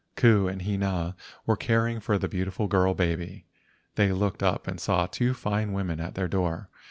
Ku and Hina were caring for a beautiful girl baby. They looked up and saw two fine women at their door.